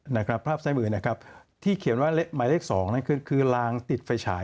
นะครับภาพซ้ายมือนะครับที่เขียนว่าหมายเลขสองนั่นคือคือลางติดไฟฉาย